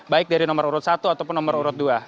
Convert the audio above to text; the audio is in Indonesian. baik dari nomor urut satu ataupun nomor urut dua